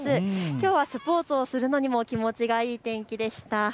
きょうはスポーツをするのにも気持ちがいい天気でした。